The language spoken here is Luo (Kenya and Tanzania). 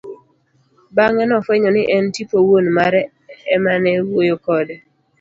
Bang'e nofwenyo ni en tipo wuon mare emane wuoyo kode.